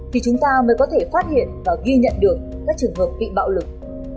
thì chúng ta mới có thể phát hiện và ghi nhận được các trường hợp bị bạo lực